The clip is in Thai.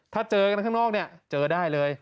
ถ้าเจอกันข้างนอกเนี่ยเจอได้เลย